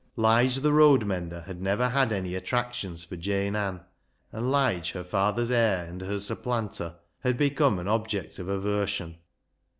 Lige the road mender had never had any attractions for Jane x\nn, and Lige, her father's heir and her LIGE'S LEGACY 203 supplanter, had become an object of aversion.